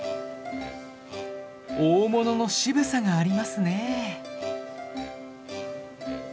大物の渋さがありますね。